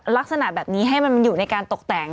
ลักษณะแบบนี้ให้มันอยู่ในการตกแต่ง